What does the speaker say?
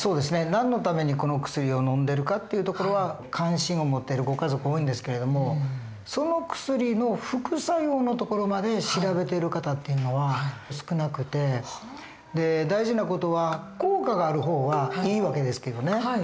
何のためにこの薬をのんでるかっていうところは関心を持ってるご家族多いんですけれどもその薬の副作用のところまで調べてる方っていうのは少なくて大事な事は効果がある方はいい訳ですけどね。